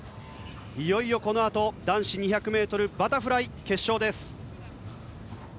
いよいよ、このあと男子２００ｍバタフライ決勝。